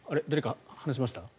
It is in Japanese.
誰か話しました？